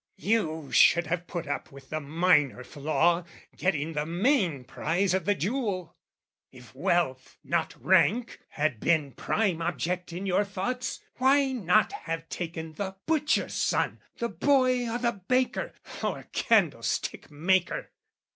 "You should have put up with the minor flaw, "Getting the main prize of the jewel. If wealth, "Not rank, had been prime object in your thoughts, "Why not have taken the butcher's son, the boy "O' the baker or candlestick maker?